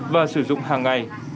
và sử dụng hàng ngày